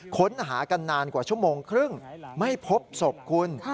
ค้นหากันนานกว่าชั่วโมงครึ่งไม่พบศพคุณ